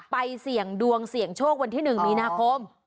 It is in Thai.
เสี่ยงดวงเสี่ยงโชควันที่๑มีนาคม